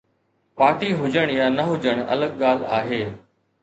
Party هجڻ يا نه هجڻ الڳ ڳالهه آهي.